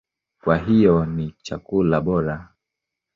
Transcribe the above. Kwa hiyo ni chakula bora.